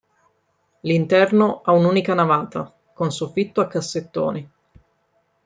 L'interno ha un'unica navata, con soffitto a cassettoni.